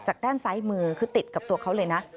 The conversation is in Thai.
ด้านซ้ายมือคือติดกับตัวเขาเลยนะ